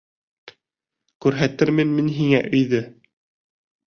Күрһәтермен мин һиңә өйҙө!